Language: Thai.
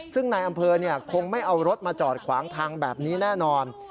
ซึ่งนายอำเภอคงไม่เอารถมาจอดขวางทางแบบนี้แน่นอน